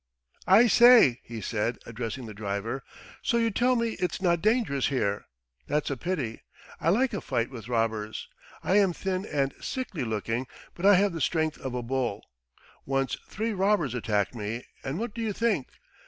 "I say," he said, addressing the driver, "so you tell me it's not dangerous here? That's a pity. .. I like a fight with robbers. ... I am thin and sickly looking, but I have the strength of a bull .... Once three robbers attacked me and what do you think?